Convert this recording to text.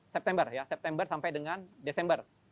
september ya september sampai dengan desember